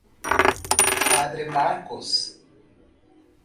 Padre Marcos